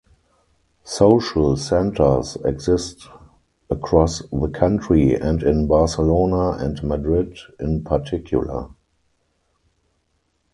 Social centres exist across the country and in Barcelona and Madrid in particular.